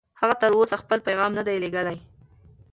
هغه تر اوسه خپل پیغام نه دی لېږلی.